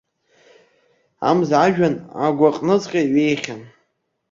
Амза ажәҩан агәаҟныҵәҟьа иҩеихьан.